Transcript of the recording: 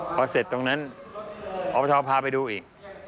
พอเสร็จตรงนั้นอปชพาไปดูอีก